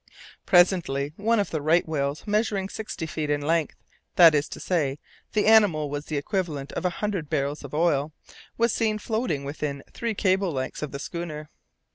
Presently, one of these right whales, measuring sixty feet in length that is to say, the animal was the equivalent of a hundred barrels of oil was seen floating within three cables' lengths of the schooner.